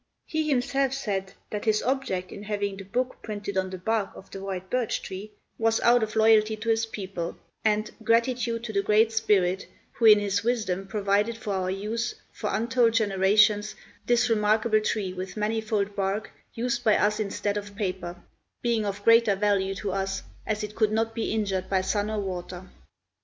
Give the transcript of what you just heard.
He himself said that his object in having the book printed on the bark of the white birch tree was out of loyalty to his people, and "gratitude to the Great Spirit, who in his wisdom provided for our use for untold generations this remarkable tree with manifold bark used by us instead of paper, being of greater value to us as it could not be injured by sun or water."